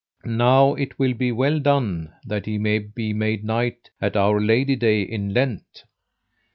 Now it will be well done that he may be made knight at our Lady Day in Lent.